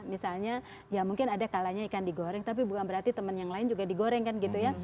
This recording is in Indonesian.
misalnya ya mungkin ada kalanya ikan digoreng tapi bukan berarti teman yang lain juga digoreng kan gitu ya